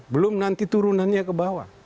belum nanti turunannya ke bawah